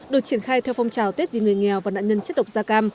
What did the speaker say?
được triển khai theo phong trào tết vì người nghèo và nạn nhân chất độc da cam